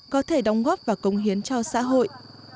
có thể đóng góp và cống hiến cho xã hội